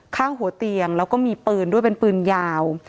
ข้างหัวเตียงแล้วก็มีปืนด้วยเป็นปืนยาว